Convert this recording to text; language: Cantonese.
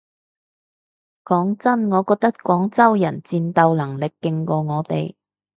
講真我覺得廣州人戰鬥能力勁過我哋